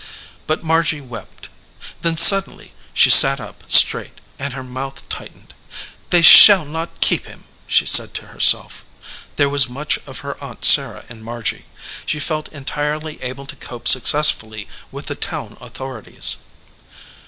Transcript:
But Margy wept. Then suddenly she sat up straight, and her mouth tightened. "They shall not keep him," she said to herself. There was much of her aunt Sarah in Margy. She felt entirely able to cope successfully with the town authori ties.